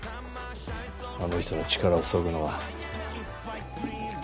あの人の力をそぐのは。